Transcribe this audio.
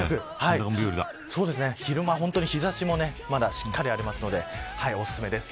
昼間は本当に日差しもまだしっかりありますのでおすすめです。